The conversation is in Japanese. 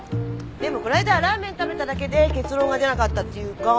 でもこないだはラーメン食べただけで結論が出なかったっていうか。